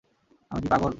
আমি কি পাগল?